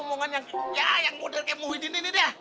omongan yang model kayak muhyiddin ini deh